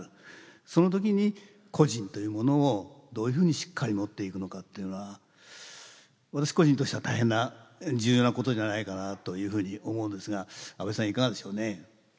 その時に個人というものをどういうふうにしっかり持っていくのかっていうのは私個人としては大変な重要なことじゃないかなというふうに思うんですが安部さんいかがでしょうね。